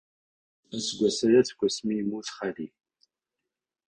Aseggas aya seg wasmi ay yemmut xali.